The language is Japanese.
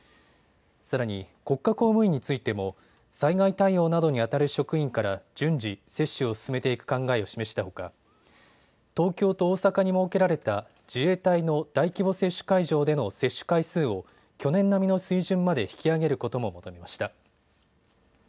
さらに国家公務員についても災害対応などにあたる職員から順次、接種を進めていく考えを示したほか東京と大阪に設けられた自衛隊の大規模接種会場での接種回数を去年並みの水準まで引き上げることも求めました。